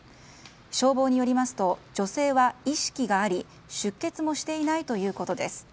消防によりますと女性は意識があり、出血もしていないということです。